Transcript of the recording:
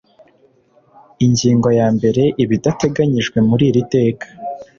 Ingingo ya mbere Ibidateganyijwe muri iri teka